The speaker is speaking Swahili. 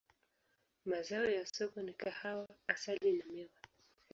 Mazao ya soko ni kahawa, asali na miwa.